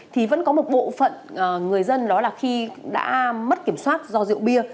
thì vẫn có một bộ phận người dân đó là khi đã mất kiểm soát do rượu bia